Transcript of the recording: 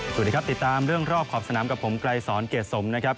สวัสดีครับติดตามเรื่องรอบขอบสนามกับผมไกรสอนเกรดสมนะครับ